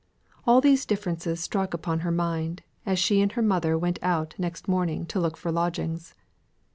All these differences struck upon her mind, as she and her mother went out next morning to look for lodgings.